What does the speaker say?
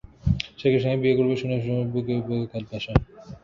সে কৃষ্ণকে বিয়ে করবে শুনে কেঁদে বুক ভাসায়।